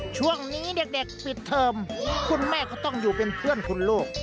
ช่วงนี้เด็กปิดเทอมคุณแม่ก็ต้องอยู่เป็นเพื่อนคนโลก